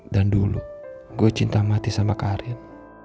dan dulu gua cinta mati sama karin